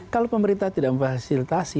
kalau pemerintah tidak memfasilitasi